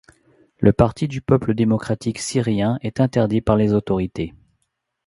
Le Parti du peuple démocratique syrien est interdit par les autorités.